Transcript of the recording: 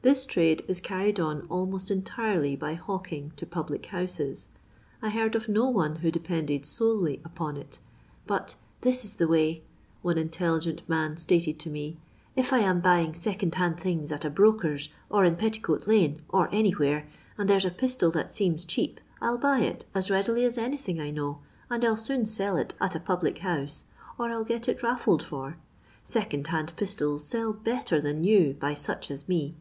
This trade is carried on almost entirely by hawking to public houses. I heard of no one who depended solely upon it, " but this is the way," one intelligent man stated to me, " if I am buying lecond hand things at a broker's, or in Petticoat lane, or anywhere, and there *s a pistol that seems cheap, I '11 buy it as readily as any thing I know, and 1 11 soon sell it at a public house, or I '11 get it raffled for. Second hand pis tols sell better than new by such as me.